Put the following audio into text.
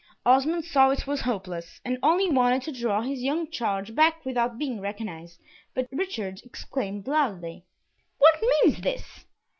Osmond saw it was hopeless, and only wanted to draw his young charge back without being recognised, but Richard exclaimed loudly, "What means this?"